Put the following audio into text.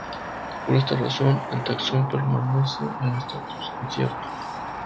Por esta razón, el taxón permanece en estatus incierto.